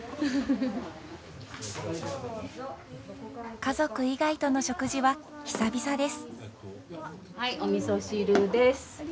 家族以外との食事は久々です。